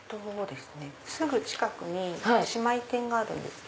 すぐ近くに姉妹店があるんです。